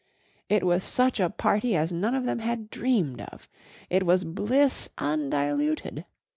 It was such a party as none of them had dreamed of; it was bliss undiluted.